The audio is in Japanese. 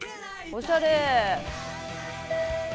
おしゃれ。